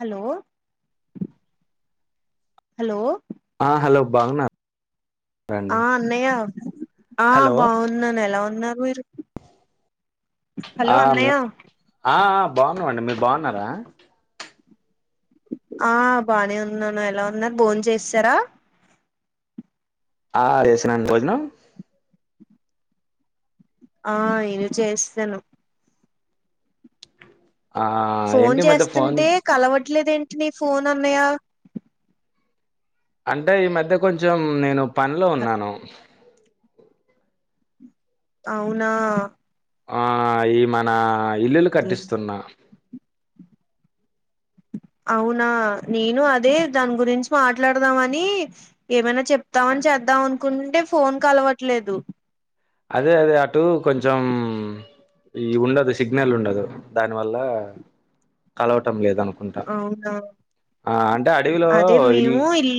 Hello hello ఆ hello భగునా ఆ అన్నయ్య ఆ హలో బాగున్నాను ఎలా ఉన్నారు మీరు హలో ఆను అన్నయ్య ఆ అ బాగున్నామండి మీరు బాగున్నారా ఆ బానే ఉన్నాను ఎలా ఉన్నారు భోన్ చేస్తారా ఆ చేసినండి భోజనం ఆ నేను చేస్సేను ఆ ఫోన్ ఏంటి ఈ మధ్య ఫోన్ చేస్తుంటే కలవట్లేద ఏంటి నీ ఫోన్ అన్నాయా అంటే ఈ మధ్య కొంచెం నేను పనిలో ఉన్నాను అవునా ఆ ఈ మన ఇల్లులు అదే కట్టిస్తున్నా అవునా నేను అదే దాని గురించి మాట్లాడదామ అని ఏమైనా చెప్తామని చే వద్దాం అనుకుంటే ఫోన్ కలవట్లేదు అదే అదే అటు కొంచెం మ్ ఈ ఉండదు సిగ్నల్ ఉండదు దాని వల్ల కలవటం లేదు అనుకు అవునా అదే మేము ఇల్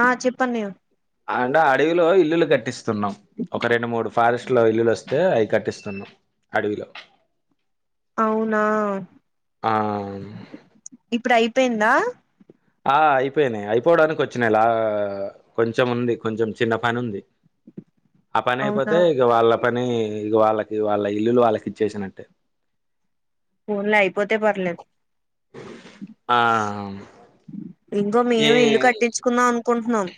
ఆ చెప్పు అన్నయ్య అండే అడవిలో ఇల్లులు కట్టిస్తున్నాం ఒక రెండు మూడు ఫారెస్ట్ లో ఇల్లులు వస్తే అవి కట్టిస్తున్నాం అడువిలో అవునా ఆ ఇప్పుడు అయిపోయిందా ఆ అయిపోయినాయి అయిపోవడానికి వచ్చినయి లా ఆ కొంచెం ఉంది కొంచెం చిన్న పని ఉంది ఆ పని అవునా అయిపోతే ఇగ వాళ్ళ పని ఇగ వాళ్ళకి వాళ్ళ ఇల్లులు వాళ్ళకి ఇచ్చేసినట్టే ఫోన్ లో అయిపోతే పర్లేదు ఆ! ఇంకో ఏ మేము ఇల్లు కట్టించుకుందాం అను కుంఠణం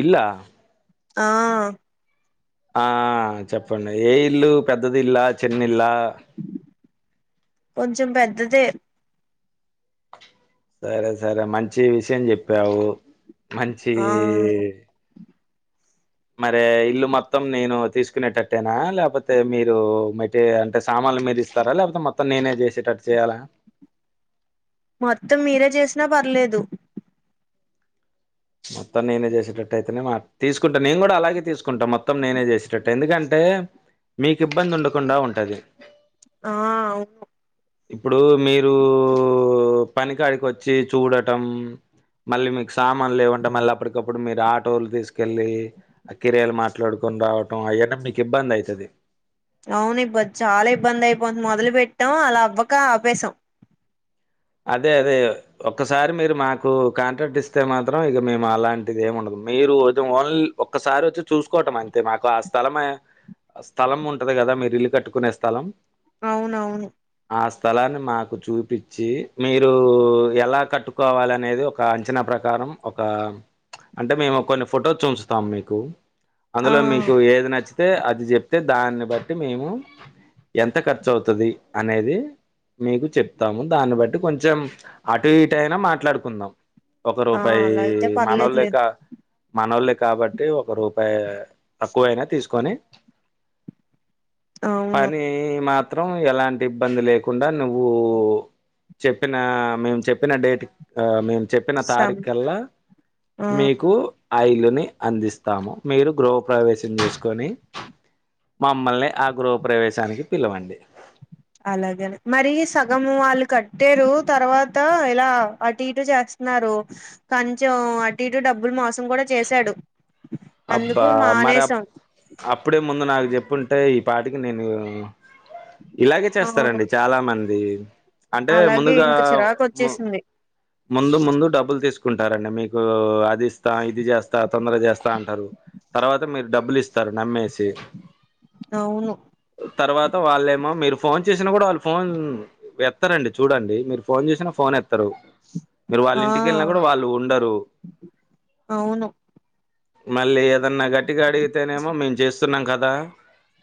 ఇల్లా ఆ ఆ చెప్పండి ఏ ఇల్లు పెద్దది ఇల్లా చిన్న ఇల్లా కొంచెం పెద్దదే సరే సరే మంచి విషయం జెప్పావు మంచిది ఆ మరే ఇల్లు మొత్తం నేను తీసుకునేటట్టేనా లేపోతే మీరు మటి అంటే సామాన్ [unintelligible] మీరు ఇస్తారా లేకపోతే మొత్తం నేనే చేసేటట్టు చేయాలా మొత్తం మీరే చేసినా పర్లేదు మొత్తం నేనే చేసేటట్టు అయితేనే మా తీసుకుంటా నేను కూడా అలాగే తీసుకుంటా మొత్తం నేనే చేసేటట్టు ఎందుకంటే అే మీకు ఇబ్బంది ఉండకుండా ఉంటది ఆ అవును ఇప్పుడు మీరు ఉ పని కాడికి వచ్చి చూడటం మళ్ళీ మీకు సామాన్లు లేవంటే మళ్ళీ అప్పటికప్పుడు మీరు ఆటోలు తీసుకెళ్ళి ఆ కిరయాలు మాట్లాడుకో రావటం అయన్న మీకు ఇబ్బంది అయితది అవును ఇబ్బది చాలా ఇబ్బంది అయిపోంది మొదలు పెట్టాం అలా అవ్వక ఆపెసాం అదే అదే ఒక్కసారి మీరు మాకు కాంట్రాక్ట్ ఇస్తే మాత్రం ఇగ మేము అలాంటిది ఏమి ఉండదు మీరు ఓద్ ఓన్లీ ఒక్కసారి వచ్చి చూసుకోవటం అంతే మాకు ఆ స్థలమే స్థలం ఉంటది కదా మీరు ఇల్లు కట్టుకునే స్థలం అవునవును ఆ స్థలాన్ని మాకు చూపించి మీరు ఎలా కట్టుకోవాలినేది ఒక అంచనా ప్రకారం ఒక అంటే మేము కొన్ని ఫొటో చూంచుతాం మీకు ఆ అందులో మీకు ఏది నచ్చి తె అది చెప్తే దాన్ని బట్టి మేము ఎంత ఖర్చు అవుతది అనేది మీకు చెప్తాము దాన్ని బట్ కొంచెం అటు ఇటు అయినా మాట్లాడుకుందాం ఒక ఆ రూపాయి అలా అయితే పర్లేదులే మనోళ్ళక మనోళ్లే కాబట్టి ఒక రూపాయి తక్కువైనా తీసుకొని అవును పని మాత్రం ఎలాంటి ఇబ్బంది లేకుండా నువ్వు చెప్పిన మేము చెప్పిన డేట్ అ మేము చెప్పిన సం తారీఖల్లా ఆ మీకు అ ఇల్లు ని అందిస్తాము మీరు గృహ ప్రవేశం చేసుకొని మామ్మల్నే ఆ గృహ ప్రవేశానికి పిలవండి అలాగే మరి సగము వాళ్ళు కట్టారు తర్వాత ఎలా అటు ఇటు చేస్ స్తన్నారు కొంచెం అటు ఇటు డబ్బులు మోసం కూడా చేశాడు అబ్బా అందుకు మరి అప్ మానేసాం అప్పుడే ముందే నాకు చెప్పుంటే ఈ పాటికి నేను ఇలాగే అవును చేస్తారండి చాలా మంది అంటే అలాగే ముందుగా ఇంక చిరాకు వచ్చేసింది ముందు ముందు డబ్బులు తీస్ ంటారండి మీకు అది ఇస్తా ఇది చేస్తా తొందర చేస్తా అంటారు తర్వాత మీరు డబ్బులీస్ స్తారు నమ్మేసి అవును తర్వాత వాళ్ళేమో మీరు ఫోన్ చేసినా కూడా వాళ్ళు ఫోన్ ఎస్తారండి చూడండి మీరు ఫోన్ చేసినా ఫోన్ ఎత్ త్తరు మీరు వాళ్ళ ఆ ఇంటికేళ్ళినా కూడా వాళ్ళు ఉండరు అవును మళ్ళీ ఏదన్నా గట్టిగా అడిగితేనేమో మేము చేస్తున్నాం కదా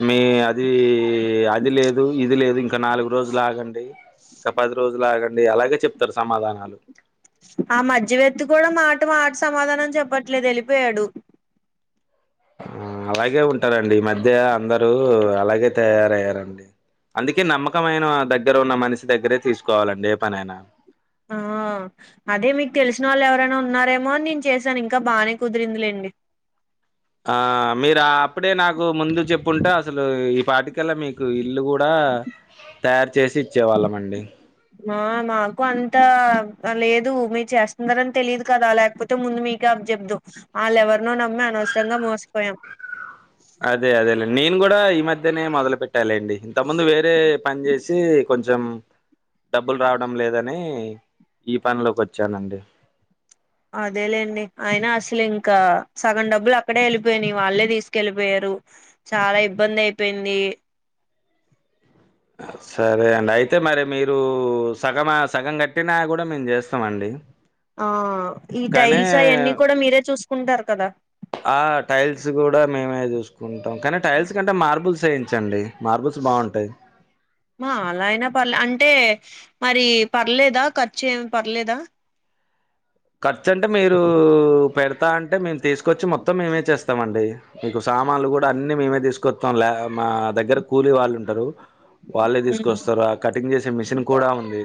మీ అది అది లేదు ఇది లేదు ఇంకా నాలుగు రోజులు ఆగండి ఇంకా పది రోజులు ఆగం డి అలాగే చెప్తారు సమాధానాలు ఆ మధ్యవక్తి కూడా మాట మాట సమాధానం చెప్పట్లేదు వెళ్ళిపోయాడు ఆ అలాగే ఉంటారండి ఈ మధ్య అందరూ అలాగే తయారయ్యారండి అందుకే నమ్మకమైన దగ్గర ఉన్న మనిషి దగ్గరే తీసుకోవాలండి ఏ పనైనా ఆ ఆ అదే మీకు తెలిసిన వాళ్ళు ఎవరైనా ఉన్నారేమోని నేను చేసాను ఇంకా బాగానే కుదిరిందిలేండి ఆ మీరు అప్పుడే నాకు ముందు చెప్పుంటే అసలు ఈ పాటికల్లా మీకు ఇల్లు కూడా డ తయారు చేసి ఇచ్చేవాళ్ళం అండి ఆ మాకు అంతా లేదు మీరు చేస్తున్నారని తెలియదు కదా లేకపోతే ముందు మీకే అప్ చెబ్మ్దుమ్ వాళ్ళెవరినో నమ్మి అనవసరంగా మోసిపోయాం అదే అదేలేండి నేను కూడా ఈ మధ్యనే మొదలు పెట్టాలేండి ఇంత ముందు వేరే పని చేసి కొంచెం డబ్బులు రావడం లేదని ఈ పనిలోకి వచ్చానండి అదేలేండి అయినా అసలు ఇంకా సగం డబ్బులు అక్కడే వెళ్ళిపోయినాయి వాళ్ళే తీసుకెళ్ళిపోయారు రు చాలా ఇబ్బంది అయిపోయింది సరే అండి అయితే మరి మీరు సగమా సగం కట్టినా కూడా మేము చేస్తామండి ఆ ఈ కానీ టైల్స్ అయన్నీ కూడా మీరే చూసుకుంటారు కదా ఆ టైల్స్ కూడా మేమే చూసు కుంటాం కానీ టైల్స్ కంటే మార్బుల్స్ వేయించండి మార్బుల్స్ బాగుంటాయి మా అలా అయినా పర్లే అంటే మరి పర్లేదా ఖర్చు ఏమి పర్లేదా ఖర్చు అంటే మీరు పెడుతా అంటే మేము తీసుకొచ్చి మొత్తం మేమే చేస్తామండి మీకు స సమండ్లు కూడా అన్ని మేమే తీసుకొస్తాం లే మా దగ్గర కూలీ వాళ్ళు ఉంటారు వాళ్ళే ఉమ్ తీసుకొస్తారు ఆ కటింగ్ చేసే మిషన్ కూడా ఉంది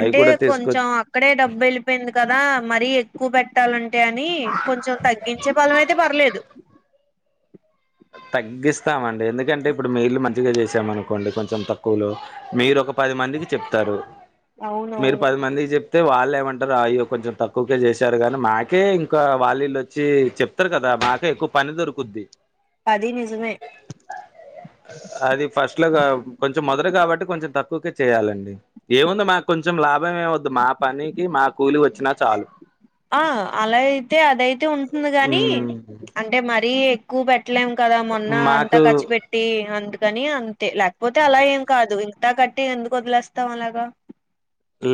అవి కూడా తీసుకొ కొంచెం అక్కడే డబ్బు వెళ్ళిపోయింది కదా మరీ ఎక్కువ పెట్టాలం టే అని కొంచెం తగ్గించే బలం అయితే పర్లేదు తగ్గిస్తామండి ఎందుకంటే ఇప్పుడు మీ ఇల్లు మంచిగా చేసామనుకోండి కొంచెం తక్కువలో మీరు ఒక ప పది మందికి చెప్తారు మీరు అవునవును పది మందికి చెప్ అయితే వాళ్ళు ఏమంటారు అయ్యో కొంచెం తక్కువకే చేశారు కానీ మాకే ఇంకా వాళ్ళు ఇళ్ళు వచ్చి చెప్తారు కదా మాకే ఎక్కువ పని దొరుకుద్ది అది నిజమే అది ఫస్ట్ లో క కొంచెం మొదట కాబట్టి కొంచెం తక్ క్కువకే చేయాలండి ఏముంది మాకు కొంచెం లాభమేవద్దు మా పనికి మా కూలి వచ్చినా చాలు ఆ అలా అయితే అదైతే ఉంటుంది గానీ హ్మ్. అంటే మ రీ ఎక్కువ పెట్టలేం కదా మొన్న అంతా మాకు ఖర్చు పెట్టి అందుకని అ టే లేకపోతే అలా ఏం కాదు ఇంత కట్టి ఎందుకు వదిలేస్తాం అలాగా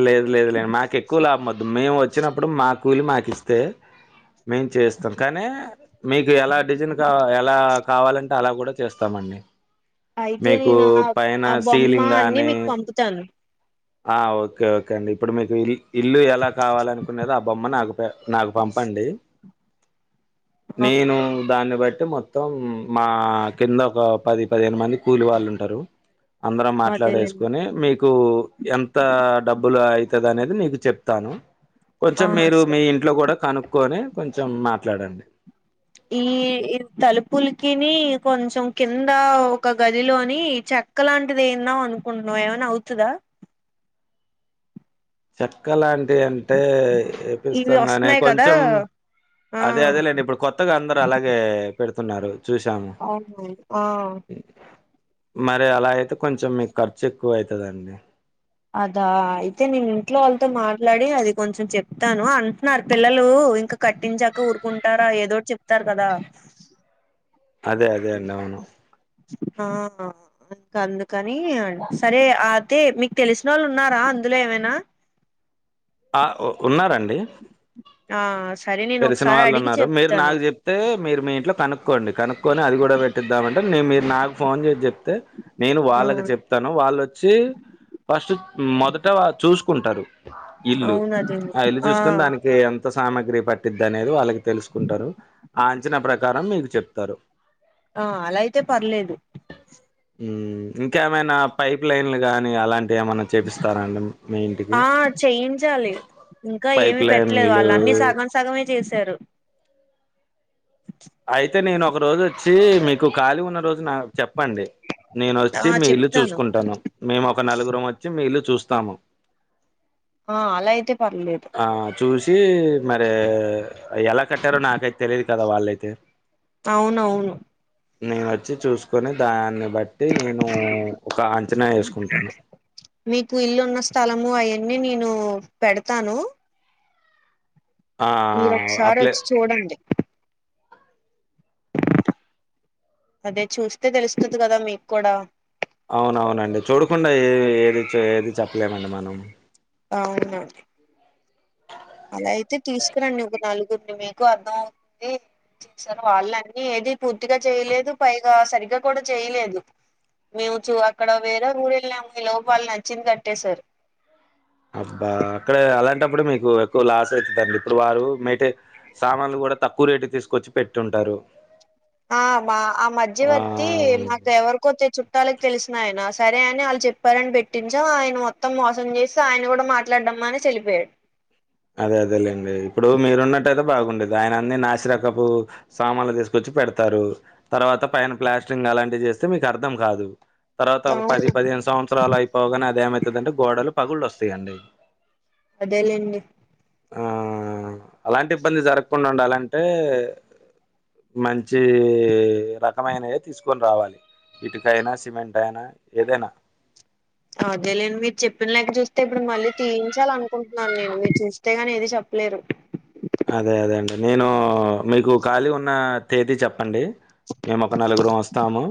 లేదు లేదు లేదు మాకు ఎక్కువ లాభం వద్దు మేము వ చ్చినప్పుడు మా కూలి మాకు ఇస్తే మేము చేస్తాం కానీ మీకు ఎలా డిజైన్ కా ఎలా కావాలంటే అలా కూడా చేస్తామండి అయితే మీకు నేను ఆ పైన ఆ బొమ్మ సీలింగ్ అన్ని కాని మీకు పంపుతాను ఆ ఓకే ఓకే అండి ఇప్పుడు మీకు ఇల్ ఇల్లు ఎలా కావాల అనుకున్నరో ఆ బొమ్మ నాకు పె నాకు పంపండి ఆ నేను దాన్ని బట్ ట్టి మొత్తం మా కింద ఒక పది పదిహేను మంది కూలి వాళ్ళు ఉంటారు అందరం అదేలేండి మాట్లాడేసుకోని మీకు ఎంత డబ్బులు అయితదనేది నీకు చెప్తాను ఆ కొంచెం మీరు మీ సరే ఇంట్లో కూడా కనుక్కొని కొంచెం మాట్లాడండి కిని కొంచెం కింద ఒక గదిలోని చెక్క లాంటిది ఏద్దాం అనుకుంటున్నం ఏన న్నవుతదా చెక్క లాంటిదంటే ఇవి ఏపిస్తాం కని వస్తున్నాయి కదా కొంచెం ఆ అదే అదేలేండి ఇప్పుడు కొత్తగా అందరు అలాగే పెడుతున్నారు చూశాము. అవును ఆ మరి అలా అయితే కొంచెం మీకు ఖర్చు ఎక్కువ అవుతుందండి అదా అయితే నేను ఇంట్లో వాళ్ళతో మాట్లాడి అది కొంచెం చెప్తాను అంటున్నారు పిల్లలు ఇంకా కట్టించాక ఊరుకుంటారా ఏదోటి చెప్తారు కదా అదే అదే అండి అవును ఆ అద్ అందుకని సరే అతే మీకు తెలిసిన వాళ్ళు ఉన్నారా అందులో ఏమైనా అ ఉ ఉన్నారండి ఆ స తెలిసిన వాళ్ళు ఉన్నారు మీరు నాకు చెప్తే మీరు మీ ఇంట్లో కనుక్ కనుకోండి కనుక్కొని అది కూడా పెట్టిద్దామంటే నేను మీరు నాకు ఫోన్ చేసి చెప్ అయితే నేను ఆ వాళ్ళకి చెప్తాను వాళ్ళొచ్చి ఫస్ట్ మొదట చూసుకుంటారు ఇల్లు అవును అదేమో ఆ ఇల్లు చూసుకుని దానికి ఎం కొత్త సామాగ్రి పట్టిద్ అనేది వాళ్ళకి తెలుసుకుంటారు ఆ అంచనా ప్రకారం మీకు చెప్తారు ఆ అలా అయితే పర్లేదు ఇంకా ఏమైనా పైప్ లైన్లు గాని అలాం ఏమన్నా చేపిస్తారండి మీ ఇంటికి ఆ చేయించాలి ఇంకా పైప్ ఏమి పెట్టలేదు లైన్లు వాళ్ళ అన్ని సగం సగమే చేశారు అయితే నేను ఒక రోజు వచ్చి మీకు ఖాళీ ఉన్న రోజు నా చెప్పండి నేను వచ్చి ఆ మీ ఇల్లు చెప్తాను చూసుకుంటాను మేము ఒక నలుగురం వచ్చి మీల్లు చూస్తాము ఆ అలా అయితే పర్లేదు ఆ చూసి మరి ఎలా కట్టారో నాకైతే తెలియదు కదా వాళ్ళైతే అవునవును కొని దాన్ని బట్టి నేను ఒక అంచనా వేసుకుంటాను ఇన్ని నేను పెడతాను ఆ మీరు ఒకసారి అప్లై వచ్చి చూడండి అదే చూస్తే తెలుస్తుంది కదా మీకూడా అవునవునండి చూడకుండా ఏ ఏది ఏది చెప్పలేమండి మనం అవును అలా అయితే తీసుకురండి ఒక నలుగురిని మీకు అర్థం అవుతుంది ఏం చేశారు వాళ్ళన్నీ ఇది పూర్తిగా చేయలేదు పైగా సరిగ్గా కూడా చేయలేదు మేము చూ అక్కడ వేరే ఊరేల్లాం ఈ లోపు నచ్చింది కట్టేేశారు ప్పుడు మీకు ఎక్కువ లాస్ అయితంది ఇప్పుడు వారు మేటే సామాన్లు కూడా తక్కువ రేటు తీసుకొచ్చి పెట్టింటారు ఆరు ఆ మా ఆ మధ్యవర్తి మాకు ఎవరికో వచ్చే చుట్టాల తెలిసిన ఆయన సరే అని వాళ్ళు చెప్పారని పెట్టించా ఆయన మొత్తం మోసం చేసి ఆయన కూడా మాట్లాడంమని చలిపోయా అదే అదేలేండి ఇప్పుడు మీరున్నట్టుయితే బాగుండేది ఆయన అన్ని నాసిరకపు సామాన్లు తీసుకొచ్చి పెడతారు తర్వాత పైన ప్లాస్టింగ్ అలాంటివి చేస్తే మీకు అర్థం కాదు తర్వాత ఒక పది అవునా పదిహేను సంవత్సరాలు అయిపోగానే అదేమవుతుందంటే గోడలు పగుళ్ళు వస్తాయండి అదేలేండి ఆ అలాంటి ఇబ్బంది జరగకుండా ఉండాలంటే మంచి రకమైనవే తీసుకొని రావాలి ఇటుకైనా సిమెంట్ అయినా ఏదైనా అదేలేండి మీరు చెప్పిన ను నేను మీరు చేస్తే గాని ఏది చెప్పలేరు అదే అదే అండి నేను మీకు ఖాళీ ఉన్న తేదీ చెప్పండి మేము ఒక నలుగురు వస్తాము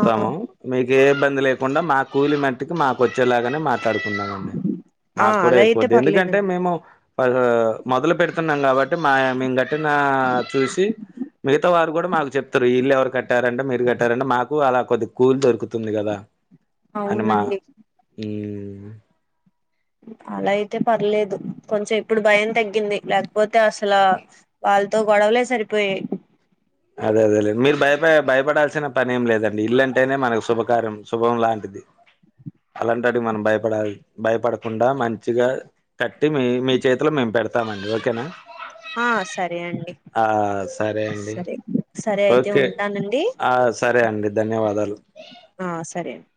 ఆ మీకు ఏ ఇబ్బంది లేకుండా మా కూలి మట్టికి మాకు వచ్చేలాగా మాట్లాడుకుందామండి ఆ మాకూడా అలా ఎక్కువ అయితే ఎందుకంటే పర్లేదండి మేము మొదలు పెడి న్నాం కాబట్టి మా మేం గట్టిన చూసి మిగతా వారి కూడా మాకు చెప్తారు వీళ్ళు ఎవరు కట్టారంటే మీరు కట్టారంటే మాకు అలా కొద్దిగ కూలు దొరుకుతుంది కదా అని మా అవునండి అలా అయితే పర్లేదు కొంచెం ఇప్పుడు భయం తగ్గింది లేకపోతే అసలు వాళ్ళతో గొడవలే సరిపోయాయి అదే అదే లేండి మీరు భయప భయపడాల్సిన పని ఏం లేదండి. ఇల్లంటేనే మనకు శుభకార్యం శుభం లాంటిది. అలాంటాటికి మనం భయపడ భయపడకుండా మంచిగా కట్టి మీ మీ చేతిలో మేము పెడతామండి ఓకేనా ఆ సరే అండి ఆ సరే అండి. సరే సరే అయితే ఓకే ఉంటానండి ఆ సరే అండి ధన్యవాదాలు. ఆ సరే అండి